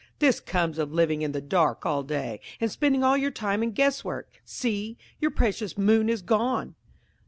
This comes of living in the dark all day, and spending all your time in guess work! See! your precious moon is gone!"